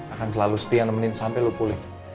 akan selalu setia nemenin sampe lu pulih